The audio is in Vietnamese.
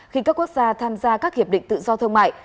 khi các quốc gia tham gia các hiệp định tự do thương mại